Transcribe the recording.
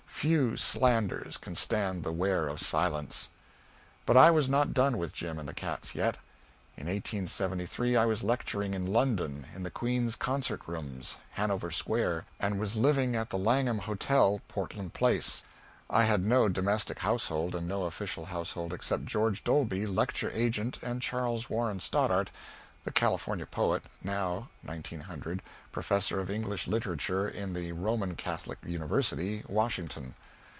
Few slanders can stand the wear of silence. [Sidenote: (1873.)] [Sidenote: (1900.)] But I was not done with Jim and the Cats yet. In 1873 I was lecturing in London, in the Queen's Concert Rooms, Hanover Square, and was living at the Langham Hotel, Portland place. I had no domestic household, and no official household except George Dolby, lecture agent, and Charles Warren Stoddard, the California poet, now (1900) Professor of English Literature in the Roman Catholic University, Washington.